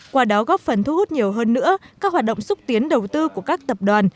qua đó góp phần thu hút nhiều hơn nữa các hoạt động xúc tiến đầu tư của các tập đoàn